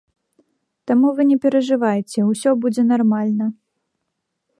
Таму вы не перажывайце, усё будзе нармальна.